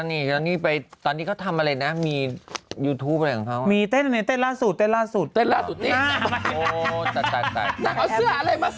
แม้ครับพี่เอ๋อันสัมภัยในว่ามีความสูงขอบอบอ